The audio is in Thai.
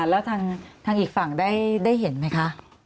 แล้วทางอีกฝั่งได้เห็นไหมคะ